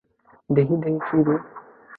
দেখি দেখি, কী রূপ!